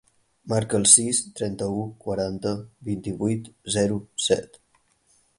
Marca el sis, trenta-u, quaranta, vint-i-vuit, zero, set.